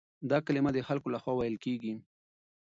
دا کلمه د خلکو له خوا ويل کېږي.